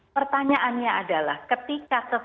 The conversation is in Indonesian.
pertanyaannya adalah ketika